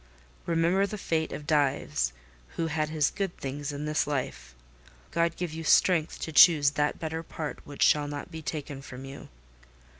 Remember the fate of Dives, who had his good things in this life. God give you strength to choose that better part which shall not be taken from you!"